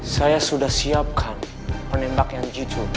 saya sudah siapkan penembak yang jujur